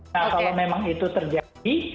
kalau memang itu terjadi